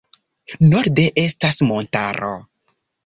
Norde estas montaro.